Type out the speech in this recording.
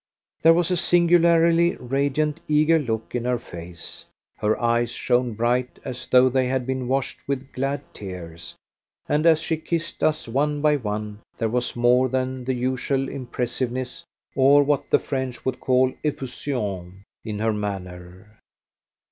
There was a singularly radiant eager look in her face, her eyes shone bright as though they had been washed with glad tears, and as she kissed us one by one there was more than the usual impressiveness, or what the French would call effusion in her manner.